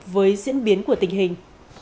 với diễn biến của tình hình